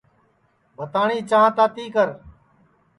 بھتاٹؔی چھانٚھ تاتی کر